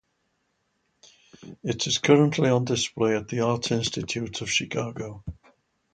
It is currently on display at the Art Institute of Chicago.